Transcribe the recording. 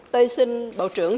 tôi xin bộ trưởng